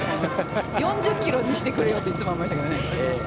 ４０キロにしてくれっていつも思いながらね。